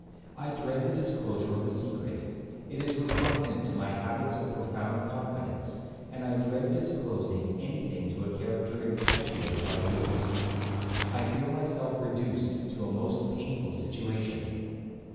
I dread the disclosure of a secret; it is repugnant to my habits of profound confidence; and I dread disclosing any thing to a character impetuous like yours. I feel myself reduced to a most painful situation.'